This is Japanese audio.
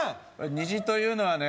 虹というのはね